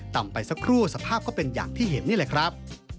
ไปสักครู่สภาพก็เป็นอย่างที่เห็นนี่แหละครับ